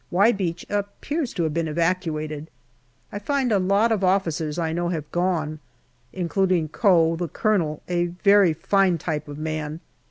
" Y " Beach appears to have been evacuated. I find a lot of officers I know have gone, including Koe, the Colonel, a very fine type of man.